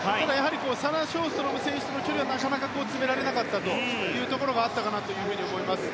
サラ・ショーストロム選手との距離はなかなか詰められなかったかなというところがあると思います。